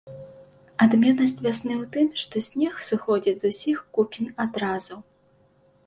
Адметнасць вясны ў тым, што снег сыходзіць з усіх купін адразу.